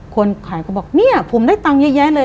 คนขายก็บอกเนี่ยผมได้ตังค์เยอะแยะเลย